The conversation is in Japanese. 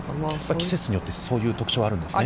季節によってそういう特徴があるんですよね。